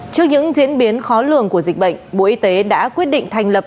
trước những diễn biến khó lường của dịch bệnh bộ y tế đã quyết định thành lập